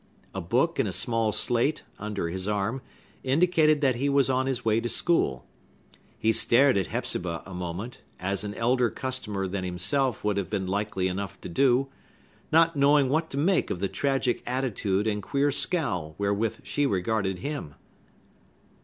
A book and a small slate, under his arm, indicated that he was on his way to school. He stared at Hepzibah a moment, as an elder customer than himself would have been likely enough to do, not knowing what to make of the tragic attitude and queer scowl wherewith she regarded him.